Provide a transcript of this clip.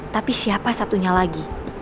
tapi siapa satunya lagi